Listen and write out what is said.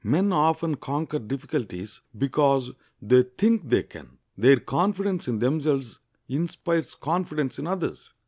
Men often conquer difficulties because they think they can. Their confidence in themselves inspires confidence in others.